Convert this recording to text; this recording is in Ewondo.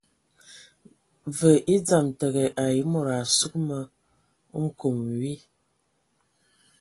Və e dzam təgə ai e mod a sug ma nkom di.